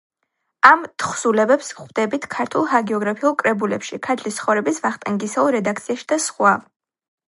ამ თხზულებებს ვხვდებით ქართულ ჰაგიოგრაფიულ კრებულებში, „ქართლის ცხოვრების“ ვახტანგისეულ რედაქციაში და სხვა.